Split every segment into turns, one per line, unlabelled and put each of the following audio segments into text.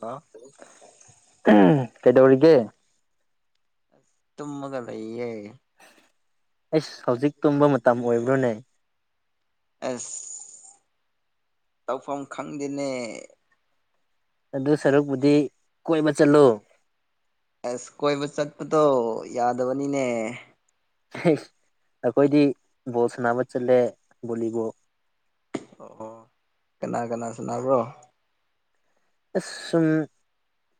hello
[unintelligible] ꯍ ꯀꯩꯗꯧꯒ
ꯇꯃꯒ ꯂꯩꯌꯦ
ꯑꯩꯁ ꯍꯧꯖꯤꯛ ꯇꯨꯝꯕ ꯃꯇꯝ ꯑꯣꯏꯕ꯭ꯔꯣꯅꯦ
ꯑꯁ ꯇꯧꯐꯝ ꯈꯪꯗꯦꯅꯦ
ꯑꯗꯨ ꯁꯔꯨꯛꯄꯨꯗꯤ ꯀꯣꯏꯕ ꯆꯠꯂꯨ
ꯑꯁ ꯀꯣꯏꯕ ꯆꯠꯄꯗꯣ ꯌꯥꯗꯕꯅꯤꯅꯦ
ꯑꯩꯈꯣꯏꯗꯤ ꯕꯣꯜ ꯁꯥꯟꯅꯕ ꯆꯠꯂꯦ ꯕꯣꯂꯤꯕꯨꯣ
ꯑꯣ ꯀꯅꯥ ꯀꯅꯥ ꯁꯅꯥꯕ꯭ꯔꯣ
ꯑꯁ ꯁꯨꯝ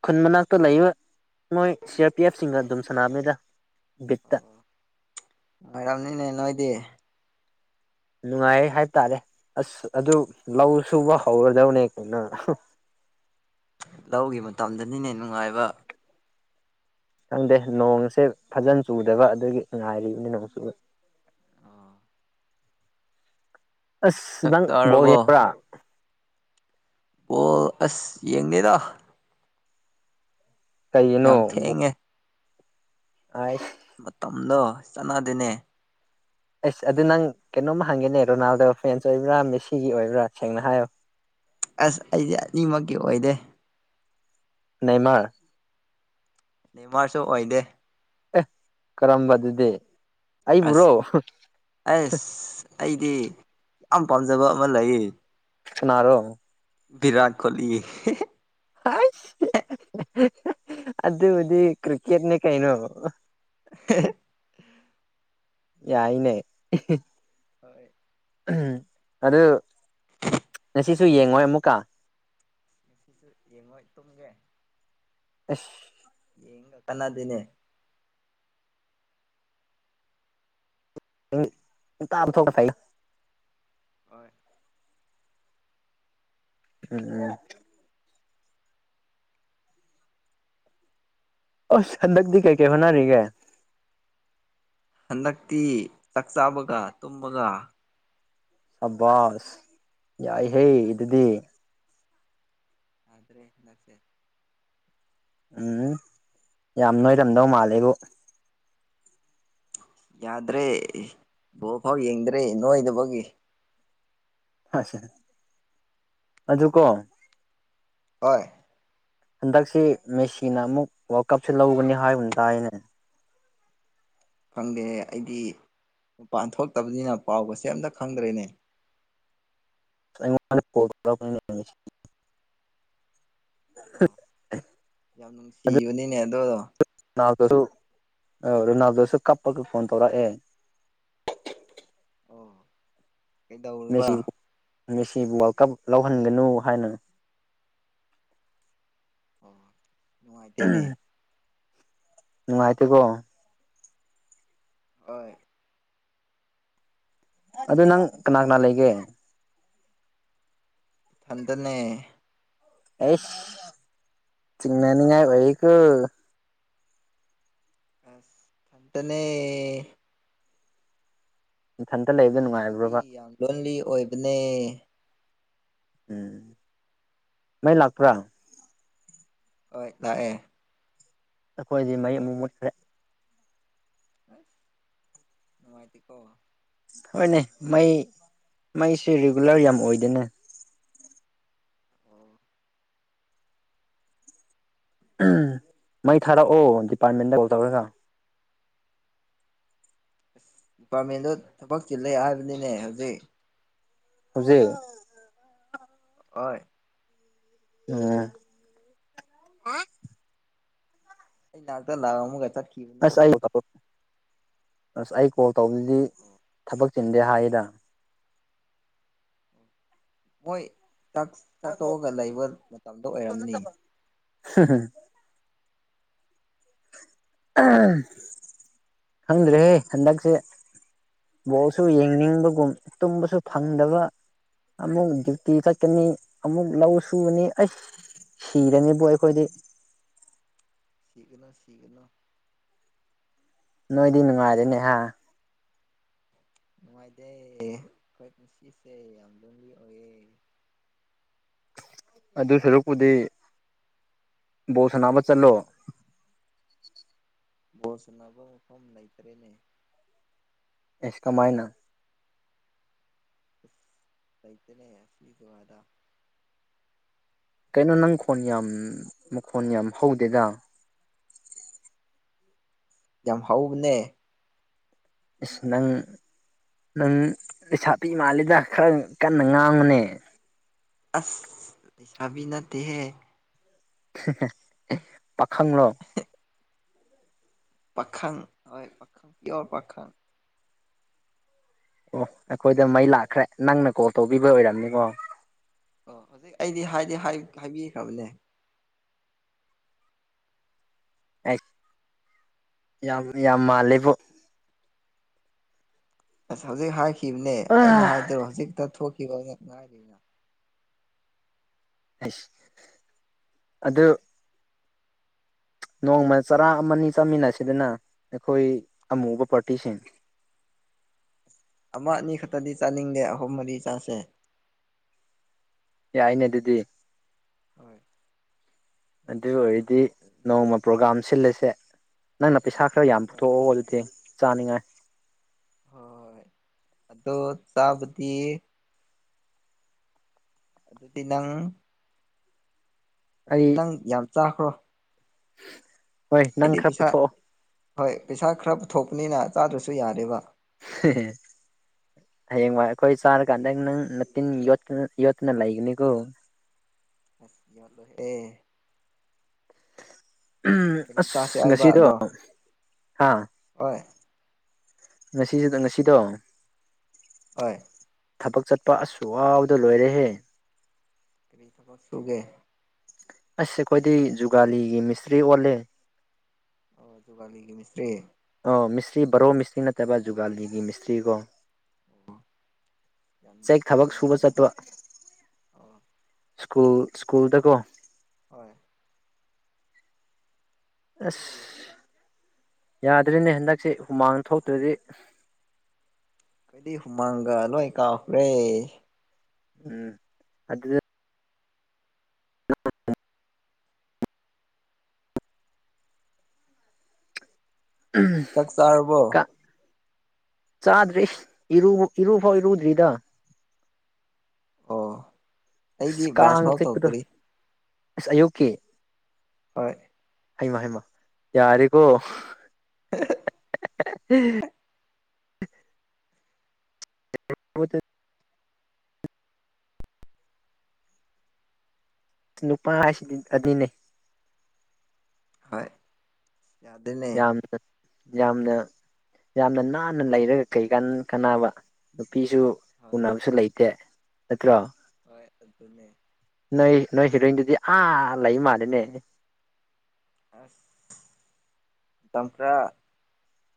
ꯈꯨꯟ ꯃꯅꯥꯛꯇ ꯂꯩꯕ ꯃꯣꯏ ꯁꯤ ꯑꯥꯔ ꯄꯤ ꯑꯦꯐꯁꯤꯡꯒ ꯑꯗꯨꯝ ꯁꯥꯟꯅꯕꯅꯤꯗ ꯕꯤꯠꯇ
ꯔꯝꯅꯤꯅꯦ ꯅꯣꯏꯗꯤ
ꯅꯨꯡꯉꯥꯏ ꯍꯥꯏ ꯇꯔꯦ ꯑꯁ ꯑꯗꯨ ꯂꯧ ꯁꯨꯕ ꯍꯧꯔꯗꯕꯅꯦ ꯀꯣꯏꯅ
ꯂꯧꯒꯤ ꯃꯇꯝꯗꯅꯤꯅꯦ ꯅꯨꯡꯉꯥꯏꯕ
ꯈꯪꯗꯦ ꯅꯣꯡꯁꯦ ꯐꯖꯅ ꯆꯨꯗꯕ ꯑꯗꯨꯒꯤ ꯉꯥꯏꯔꯤꯕꯅꯤ ꯅꯣꯡ ꯆꯨꯕ ꯑꯁ
ꯆꯥꯛ
ꯅꯪ ꯕꯣ
ꯆꯥꯔꯕꯣ
ꯍꯕ꯭ꯔꯥ
ꯑꯣ ꯑꯁ ꯌꯦꯡꯅꯦꯗ ꯌꯥꯝ ꯊꯦꯛꯉꯦ
ꯑꯁ
ꯗꯣ ꯆꯥꯟꯅꯗꯦꯅꯦ
ꯑꯁ ꯑꯗꯨ ꯅꯪ ꯀꯩꯅꯣꯝꯃ ꯍꯪꯒꯦꯅꯦ ꯔꯣꯅꯥꯜꯗꯣ ꯐ꯭ꯔꯦꯟꯁ ꯑꯣꯏꯕ꯭ꯔꯥ ꯃꯦꯁꯤꯒꯤ ꯑꯣꯏꯕ꯭ꯔꯥ ꯁꯦꯡꯅ ꯍꯥꯏꯌꯣ
ꯑꯁ ꯑꯩꯁꯦ ꯑꯅꯤꯃꯛꯀꯤ ꯑꯣꯏꯗꯦ
ꯅꯃ
ꯅ ꯃꯥꯁꯨ ꯑꯣꯏꯗꯦ
ꯀꯔꯝꯕꯝꯕ ꯑꯗꯨꯗꯦ
ꯑꯁ ꯑꯁ ꯑꯩꯗꯤ ꯌꯥꯝ ꯄꯥꯝꯖꯕ ꯑꯃ ꯂꯩꯌꯦ
ꯁꯅꯔꯣ
ꯔꯥꯠ ꯀꯣꯍꯂꯤ
ꯑꯗꯨ ꯑꯗꯨ ꯍꯧꯗꯤ ꯀ꯭ꯀꯦꯠꯅꯦ ꯀꯩꯅꯩꯅꯣ
[inaudible]
ꯌꯥꯏꯅꯦ
ꯍꯣꯏ
ꯑꯗꯨ ꯉꯁꯤꯁꯨ ꯌꯦꯡꯉꯣꯏ ꯑꯃꯨꯛꯀꯥ
ꯁꯤꯁꯨ ꯌꯦꯡꯉꯣꯏ ꯇꯨꯡꯒꯦ
ꯑ
ꯆꯅꯗꯅꯦ
ꯏ ꯇꯥꯔ ꯊꯣꯛꯒ ꯐ
ꯍ
ꯎꯝ ꯑꯣ ꯁꯗꯛꯗꯤ ꯀꯦ ꯀꯩ ꯍꯧꯅꯔꯒꯦ
ꯍꯟꯗꯛꯇꯤ ꯆꯥꯛ ꯆꯥꯕꯒ ꯇꯨꯝꯕꯒ
ꯑꯕꯁ ꯌꯥꯏ ꯍꯦ ꯑꯗꯨꯗꯤ
ꯑꯗꯨ꯭ꯔꯦ ꯂꯁꯦ
ꯎꯝ ꯌꯥꯝ ꯅꯣꯏꯔꯝꯗꯧ ꯃꯥꯜꯂꯦꯕꯨ
ꯌꯥꯗ꯭ꯔꯦ ꯕꯣ ꯐꯥꯎ ꯌꯦꯡꯗ꯭ꯔꯦ ꯅꯣꯏꯗꯨꯐꯥꯎꯒꯤ
ꯑ ꯑꯗꯨ ꯑꯗꯨ ꯀꯣ
ꯍ
ꯍꯟꯗꯛꯁꯤ ꯃꯦꯁꯤꯅ ꯑꯃꯨꯛ ꯋꯥꯔꯜ ꯀꯞꯁꯤꯦ ꯂꯧꯒꯅꯤ ꯍꯥꯏꯕꯅ ꯇꯥꯏꯅꯦ
ꯈꯪꯗꯦ ꯑꯩꯗꯤ ꯃꯄꯥꯟ ꯊꯣꯛꯇꯕꯅꯤꯅ ꯄꯥꯎꯒꯁꯦ ꯑꯝꯇ ꯈꯪꯗ꯭ꯔꯦꯅꯦ
ꯣ
ꯑꯣ ꯌꯥꯝ ꯅꯨꯡꯁꯤꯕꯅꯤꯅꯦ ꯑꯗꯨꯗꯣ
ꯅꯥꯎꯁꯨ ꯅꯥꯎꯗꯁꯨ ꯀꯄꯒ ꯐꯣꯟ ꯇꯧꯔꯛꯦ
ꯑꯦꯗ ꯎꯟꯕ꯭ꯔ
ꯃꯦꯁꯤ ꯋꯥꯔꯜ ꯀꯞ ꯂꯧꯍꯟꯒꯅꯨ ꯍꯥꯏꯅ
ꯑꯣ ꯅꯨꯡꯉꯥꯏꯇꯦꯅꯦ
ꯅꯨꯡꯥꯏꯇ ꯀꯣ
ꯍ
ꯑꯗꯨ ꯅꯪ ꯀꯅꯥ ꯀꯅꯥ ꯂꯩꯒꯦ
ꯐꯇꯅꯦ
ꯑꯦꯁ ꯆꯤꯡꯤꯡꯅꯅꯤꯉꯥꯏ ꯑꯣꯏꯍꯤꯀ
ꯑ ꯈꯇꯅꯦ
ꯏꯊꯟꯇ
ꯑꯩꯒꯤ
ꯂꯩꯕꯗ
ꯄꯨꯟꯁꯤꯗꯤ
ꯅꯨꯡꯉꯥꯏꯕ꯭ꯔꯕ
ꯂꯣꯟꯂꯤ ꯑꯣꯏꯕꯅꯦ
ꯎꯝ ꯃꯥꯏ ꯂꯥꯛꯄ꯭ꯔꯥ
ꯍꯣꯏ ꯂꯥꯛꯑꯦ
ꯑꯩꯈꯣꯏꯗꯤ ꯃꯌ ꯑꯃꯨ ꯃꯨꯠꯈ꯭ꯔꯦꯦ
ꯑ ꯃꯥꯥꯏꯗꯤ ꯀꯣ
ꯍꯣꯏꯅꯦ ꯃꯩ ꯃꯩꯁꯨ ꯔꯤꯒꯨꯂꯔ ꯌꯥꯝ ꯑꯣꯏꯗꯅꯦ
ꯑꯣ
ꯎ ꯃꯩ ꯊꯥꯔ ꯑꯣ ꯑꯄꯥꯔꯠꯃꯦꯟꯗ ꯀꯣꯜ ꯇꯧꯔꯒ
ꯑꯁ ꯗꯤꯄꯥꯔꯠꯃꯦꯟꯗꯣ ꯊꯕꯛ ꯆꯤꯜꯂꯦ ꯍꯥꯏꯕꯅꯤꯅꯦ ꯍꯧꯖꯤꯛ
ꯍꯧꯖꯤꯦ
ꯑꯣꯏ
ꯎꯝ
ꯑꯩꯗ ꯂ ꯑꯃꯨꯛꯒꯥꯏ ꯆꯦ
ꯑꯁꯥꯏ ꯑꯁ ꯑꯥꯏ ꯀꯣ ꯇꯧꯕꯗꯤ
ꯑꯣ
ꯊꯕꯛ ꯁꯤꯟꯗꯦ ꯍꯥꯏ ꯍꯥꯏꯗ
ꯑꯣꯏꯣꯏ ꯆꯥꯛ ꯆꯥꯠꯇꯣꯛꯑꯒ ꯂꯩꯕ ꯃꯇꯝꯗ ꯑꯣꯏꯔꯝꯅꯤ
[unintelligible] ꯈꯪꯗ꯭ꯔꯦꯍꯦ ꯍꯟꯗꯛꯁꯦ ꯕꯣꯜꯁꯨ ꯌꯦꯡꯅꯤꯡꯕꯒꯨꯝ ꯇꯨꯝꯕꯁꯨ ꯐꯪꯗꯕ ꯑꯃꯨꯛ ꯗ꯭ꯌꯨꯇꯤ ꯆꯠꯀꯅꯤ ꯑꯃꯨꯛ ꯂꯧ ꯁꯨꯕꯅꯤ ꯑꯩꯁ ꯁꯤꯔꯅꯤꯕꯣ ꯑꯩꯈꯣꯏꯗꯤ
ꯁꯤꯒꯅꯣ ꯁꯤꯒꯅꯣ
ꯅꯣꯏꯗꯤ ꯅꯨꯡꯉꯥꯏꯔꯦꯅꯦ ꯍꯥ
ꯅꯨꯡꯉꯥꯏꯗꯦ ꯑꯩꯈꯣꯏ ꯄꯨꯟꯁꯤꯁꯦ ꯌꯥꯝ ꯂꯣꯟꯂꯤ ꯑꯣꯏꯌꯦ
ꯑꯗꯨ ꯁꯔꯨꯛꯄꯨꯗꯤ ꯕꯣ ꯁ ꯑꯃ ꯆꯠꯂꯣ
ꯕꯣꯁꯟꯅꯅꯕ ꯃꯐꯝ ꯂꯩꯇ꯭ꯔꯦꯅꯦ
ꯑꯦꯁ ꯀꯃꯥꯏꯅ
ꯇꯩꯇꯅꯦꯦ ꯐꯋꯥꯗ
ꯀꯩꯅꯣ ꯅꯪ ꯈꯣꯟ ꯌꯥꯝ ꯃꯈꯣꯟ ꯌꯥꯝ ꯍꯧꯗꯦꯗ
ꯌꯥꯝ ꯍꯥꯎꯕꯅꯦ
ꯏꯁꯁ ꯅꯪ ꯅꯪ ꯂꯩꯁꯥꯄꯤ ꯃꯥꯜꯂꯦꯗ ꯈꯔ ꯀꯟꯅ ꯉꯥꯡꯎꯅꯦ
ꯑꯁ ꯂꯩꯁꯥꯕꯤ ꯅꯠꯇꯦꯍꯦ
ꯄꯥꯈꯪꯂꯣ
ꯄꯥꯈꯪ ꯄꯥꯈꯪ ꯄꯤꯌꯣꯔ ꯄꯥꯈꯪ
ꯑꯣ ꯑꯩꯈꯣꯏꯗ ꯃꯩ ꯂꯥꯛꯈ꯭ꯔꯦ ꯅꯪꯅ ꯀꯣꯜ ꯇꯧꯕꯤꯕ ꯑꯣꯏꯔꯝꯅꯤꯀꯣ
ꯑꯣ ꯍꯧꯖꯤꯛ ꯑꯩꯗꯤ ꯍꯥꯏꯗꯤ ꯍꯥꯏꯕꯤꯈ꯭ꯔꯕꯅꯦ
ꯌꯥꯝ ꯌꯥꯝ ꯃꯥꯂꯦꯕꯨꯣ
ꯑꯁ ꯍꯧꯖꯤꯛ ꯍꯥꯏ ꯈꯤꯕꯅꯦ ꯑꯩꯅ
ꯑꯩꯁ
ꯍꯥꯏꯗꯣ ꯍꯧꯖꯤꯛꯇ ꯊꯣꯛ [unintelligible]
ꯑꯩꯁ ꯅꯣꯡꯃ ꯆꯔꯥ ꯑꯃꯅꯤ ꯑꯅꯤ ꯆꯥꯃꯤꯟꯅꯁꯤꯗꯅ ꯑꯩꯈꯣꯏ ꯑꯃꯨꯕ ꯄꯥꯔꯇꯤꯁꯤꯡ
ꯑꯃ ꯑꯅꯤꯈꯛꯇꯗꯤ ꯆꯥꯅꯤꯡꯗꯦ ꯑꯍꯨꯝ ꯃꯔꯤ ꯆꯥꯁꯦ
ꯌꯥꯏꯅꯦ ꯑꯗꯨꯗꯤ
ꯍꯣꯏ
ꯑꯗꯨ ꯑꯣꯏꯔꯗꯤ ꯅꯣꯡꯃ ꯄ꯭ꯔꯣꯒꯥꯝ ꯁꯤꯜꯂꯁꯦ ꯅꯪꯅ ꯄꯩꯁꯥ ꯈꯔ ꯌꯥꯝ
ꯍꯣꯏ
ꯄꯨꯊꯣꯛꯑꯣ ꯑꯗꯨꯗꯤ ꯆꯥꯅꯤꯉ
ꯍꯣꯏ ꯑꯗꯣ ꯆꯥꯕꯗꯤ ꯑꯗꯨꯗꯤ ꯅꯪ
ꯑꯩ
ꯑꯗꯨꯗꯤ ꯅꯪ ꯌꯥꯝ ꯆꯥꯈ꯭ꯔꯣ
ꯍꯣꯏ ꯅꯪ
ꯑꯩꯗꯤ
ꯈꯔ
ꯄꯩꯁꯥ
ꯄꯨꯊꯣꯛꯑꯣ
ꯍꯣꯏ ꯄꯩꯁꯥ ꯈꯔ ꯄꯨꯊꯣꯛ ꯄꯨꯅꯤꯅ ꯆꯥꯗ꯭ꯔꯁꯨ ꯌꯥꯔꯦꯕ
ꯍꯌꯦꯡꯋꯥꯏ ꯑꯩꯈꯣꯏ ꯆꯥꯔꯀꯥꯟꯗꯪ ꯅꯪ ꯇꯤꯟ ꯌꯣꯠꯇꯅ ꯂꯩꯒꯅꯤꯀꯣ
[unintelligible]
ꯎꯝ
ꯀꯔꯤ
ꯑꯁ
ꯆꯥꯁꯦ ꯍꯥꯏꯕ
ꯉꯁꯤꯗꯣ
ꯑꯗꯣ
ꯍꯥ
ꯍꯣꯏ
ꯉꯁꯤꯁꯨ ꯉꯁꯤꯗꯣ
ꯍꯣꯏ
ꯊꯕꯛ ꯆꯠꯄ ꯑꯁꯨ ꯑꯎꯗ ꯂꯣꯏꯔꯦꯍꯦ
ꯀꯔꯤ ꯊꯕꯛ ꯁꯨꯒꯦ
ꯑꯁꯁꯦ ꯑꯩꯈꯣꯏꯗꯤ ꯖꯨꯒꯥꯂꯤꯒꯤ ꯃꯤꯁꯇ꯭ꯔꯤ ꯑꯣꯜꯂꯦ
ꯑꯣ ꯖꯨꯒꯥꯂꯤꯒꯤ ꯃꯤꯁꯇꯔꯤ
ꯑꯣ ꯃꯤꯁꯇ꯭ꯔꯤ ꯕꯔꯣ ꯃꯤꯁꯇ꯭ꯔꯤ ꯅꯠꯇꯕ ꯖꯨꯒꯥꯂꯤꯒꯤ ꯃꯤꯁꯇ꯭ꯔꯤ ꯀꯣ
ꯑꯣ ꯌꯥꯝ
ꯆꯦꯛ
ꯁꯤꯕ
ꯊꯕꯛ ꯁꯨꯕ
ꯋꯥꯔꯤ
ꯆꯠꯄ
ꯑ
ꯁ꯭ꯀꯨꯜ ꯁꯀꯨꯜ ꯇ ꯀꯣ
ꯍꯣꯏ
ꯑꯁ ꯌꯥꯗ꯭ꯔꯦꯅꯦ ꯍꯟꯗꯛꯁꯦ ꯍꯨꯃꯥꯡ ꯊꯣꯛꯇ꯭ꯔꯗꯤ
ꯑꯩꯗꯤ ꯍꯨꯃꯥꯡꯒ ꯂꯣꯏ ꯀꯥꯎꯈ꯭ꯔꯦ
ꯎꯝ ꯑꯗꯨ ꯑ
ꯆꯥꯛ ꯆꯥꯔꯕꯣ
ꯆꯥꯗ꯭꯭ꯔꯤ ꯏꯔꯨ ꯏꯔꯨ ꯐꯥꯎ ꯏꯔꯨꯗ꯭ꯔꯤꯗ
ꯑꯣ ꯑꯩꯗꯤ ꯕ꯭ꯔꯥꯁꯐꯥꯎ ꯇꯧꯗ꯭ꯔꯤ
ꯏꯁ ꯑꯌꯨꯀꯤ
ꯍꯣꯏ
ꯍꯩꯃ ꯍꯩꯃ ꯌꯥꯔꯦꯀꯣ ꯗ ꯅꯨꯄꯥ ꯍꯥꯏꯁꯤꯗꯤ ꯑꯗꯨꯅꯤꯅꯦ
ꯍꯣꯏ ꯗꯟꯅꯦ
ꯌꯥꯝꯅ ꯌꯥꯝꯅ ꯌꯥꯝꯅ ꯅꯥꯟꯅ ꯂꯩꯔꯒ ꯀꯩꯀꯥꯟ ꯀꯥꯟꯅꯕ ꯅꯨꯄꯤꯁꯨ
ꯍꯣꯏ
ꯎꯅꯕꯁꯨ ꯂꯩꯇꯦ ꯆꯠꯇ꯭ꯔꯣ
ꯑꯗꯨ ꯑꯗꯨꯅꯦ
ꯅꯣꯏ ꯅꯣꯏ ꯍꯤꯔꯣꯏꯟꯗꯨꯗꯤ ꯑꯥ ꯂꯩ ꯃꯥꯜꯂꯦꯅꯦ
ꯑꯁ ꯃꯇꯝ ꯈꯔ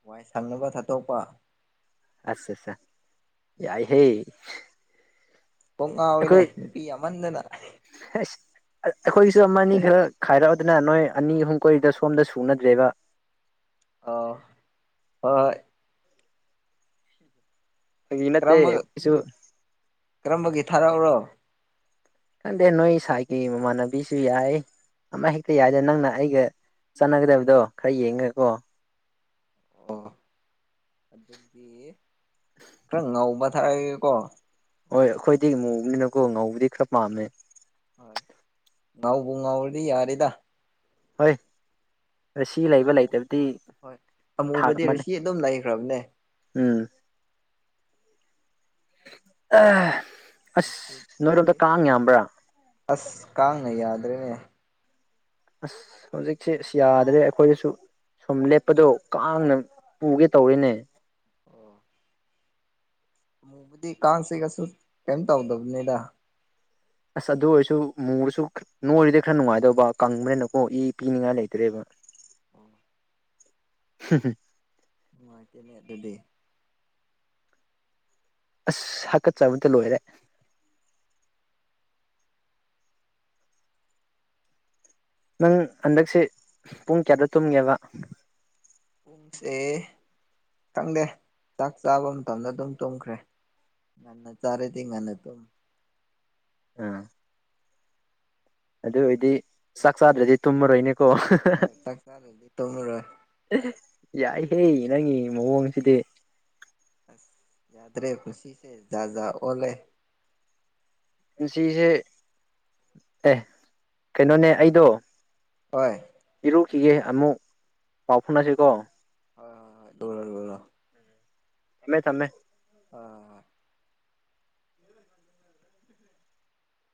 ꯋꯥꯏ ꯁꯪꯅꯕ ꯊꯥꯗꯣꯛꯄ
ꯑꯠꯆꯥ ꯆꯥ ꯌꯥꯏ ꯍꯦ
ꯀꯣꯛ ꯉꯥꯎꯋꯤꯅꯦ ꯅꯨꯄꯤ ꯌꯥꯝꯃꯟꯗꯅ
ꯑꯁ ꯑꯩꯈꯣꯏꯒꯤꯁꯨ ꯑꯃ ꯑꯅꯤ ꯈꯔ ꯈꯥꯏꯔꯛꯑꯗꯅ ꯅꯣꯏ ꯑꯅꯤ ꯑꯍꯨꯝ ꯀꯣꯏꯗ ꯁꯣꯝꯗ ꯁꯨꯅꯗ꯭ꯔꯦꯕ
ꯑ ꯍꯣꯏ
ꯐꯥꯒꯤ ꯅꯠꯇꯦ
ꯀꯔꯝꯕ
ꯑꯩꯈꯣꯏꯁꯨ
ꯀꯔꯝꯕꯒꯤ ꯊꯥꯔꯛꯎꯔꯣ
ꯈꯪꯗꯦ ꯅꯣꯏ ꯏꯁꯥꯏꯠꯒꯤ ꯃꯃꯥꯟꯅꯕꯤꯁꯨ ꯌꯥꯏ ꯑꯃ ꯍꯦꯛꯇ ꯌꯥꯏꯗ ꯅꯪꯅ ꯑꯩꯒ ꯆꯠꯅꯒꯗꯕꯗꯣ ꯈꯔ ꯌꯦꯡꯉꯀꯣ
ꯑꯣ ꯑꯗꯨꯗꯤ ꯈꯔ ꯉꯥꯎꯕ ꯊꯥꯔꯒꯦꯀꯣ
ꯍꯣꯏ ꯑꯩꯈꯣꯏꯗꯤ ꯏꯃꯨꯕꯅꯤꯅꯀꯣ ꯉꯧꯕꯗꯤ ꯈꯔ ꯄꯥꯝꯃꯦ
ꯍꯣꯏ ꯉꯥꯎꯕꯨ ꯉꯥꯎꯔꯗꯤ ꯌꯥꯔꯦꯗ
ꯍꯣꯏ ꯔꯁꯤ ꯂꯩꯕ
ꯑꯃꯨ
ꯂꯩꯇꯕꯗꯤ
ꯍꯣꯏ
ꯊꯥꯛ
ꯑꯃꯨꯕꯗꯤꯔ
ꯑꯃꯅꯤ
ꯁꯤ ꯑꯗꯨꯝ ꯂꯩꯈ꯭ꯔꯕꯅꯦ
ꯎꯝ ꯑ
ꯑꯁ ꯀꯥꯉ ꯌꯥꯗ ꯇ꯭ꯔꯦꯅꯦ
ꯑꯁ ꯍꯧꯖꯤꯛꯁꯦ ꯑꯁ ꯌꯥꯗ꯭ꯔꯦ ꯑꯩꯈꯣꯏꯗꯁꯨ ꯁꯨꯝ ꯂꯦꯞꯄꯗꯣ ꯀꯥꯡꯅ ꯄꯨꯒꯦ ꯇꯧꯔꯤꯅꯦ
ꯑꯣ ꯗꯤ ꯀꯥꯡ ꯆꯤꯛꯑꯁꯨ ꯀꯩꯝ ꯇꯧꯗꯕꯅꯤꯗ
ꯑꯁ ꯑꯗꯨ ꯑꯣꯏꯔꯁꯨ ꯃꯨꯕꯁꯨ ꯅꯣꯏꯔꯤꯗꯤꯩ ꯈꯔ ꯅꯨꯡꯉꯥꯏꯗꯧꯕ ꯀꯪꯕꯅꯤꯅꯀꯣ ꯏ ꯄꯤꯅꯤꯡꯉꯥꯏ ꯂꯩꯇ꯭ꯔꯦꯕ
ꯑꯣ ꯃꯥꯇꯗꯤꯦ
ꯑꯁ ꯍꯥꯀꯠꯆꯕꯗ ꯂꯣꯏꯔꯦ ꯅꯪ ꯍꯟꯗꯛꯁꯦ ꯄꯨꯡ ꯀꯌꯥꯗ ꯇꯨꯝꯒꯦꯕ
ꯄꯨꯡꯁꯦ ꯈꯪꯗꯦ ꯆꯥꯛ ꯆꯥꯕ ꯃꯇꯝꯗ ꯑꯗꯨꯝ ꯇꯨꯝꯈ꯭ꯔꯦ ꯉꯟꯅ ꯆꯥꯔꯗꯤ ꯉꯟꯅ ꯇꯨꯝ
ꯎꯝ ꯑꯗꯨ ꯑꯣꯏꯗꯤ ꯆꯥꯛ ꯆꯥꯗ꯭ꯔꯗꯤ ꯇꯨꯝꯃꯔꯣꯏꯅꯦ
ꯍꯣꯏ ꯆꯥꯛ ꯆꯥꯅꯗꯤ ꯇꯧꯅꯔꯣꯏ
ꯍꯦ ꯅꯪ ꯃꯎ ꯍꯪꯁꯤꯗꯦ
ꯑꯁ ꯌꯥꯗ ꯔꯦ ꯈꯨꯁꯤꯁꯦ ꯌꯥꯖ ꯑꯣꯂꯦ
ꯁꯤꯁꯦ ꯑꯦ ꯀꯩꯅꯣꯅꯦ ꯑꯩꯗꯣ
ꯍꯣꯏ
ꯁꯤꯒꯦꯃꯨ ꯄꯥꯎ ꯐꯨꯣꯟꯁꯤ ꯀꯣ
ꯍꯣꯏ ꯍꯣꯏ ꯍꯣꯏ ꯗꯣꯂ ꯗꯣꯂ
ꯍꯃꯦ ꯆꯃꯦ
ꯑ